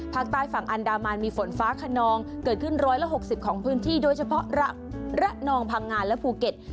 ภาคใต้ฝั่งอันดามันมีฝนฟ้าขนองเกิดขึ้น๑๖๐ของพื้นที่โดยเฉพาะระนองพังงานและภูเก็ต